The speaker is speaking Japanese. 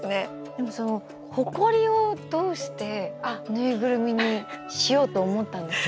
でもほこりをどうしてぬいぐるみにしようと思ったんですか？